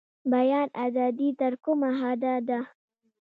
بیان ازادي تر کومه حده ده؟